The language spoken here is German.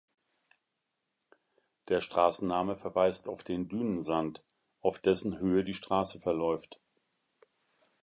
Der Straßenname verweist auf den Dünensand, auf dessen Höhe die Straße verläuft.